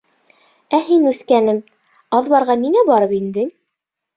— Ә һин, үҫкәнем, аҙбарға ниңә барып индең?